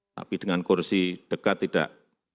tapi dengan kursi dekat tidak